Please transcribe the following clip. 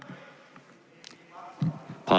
เวลาพรบด้วย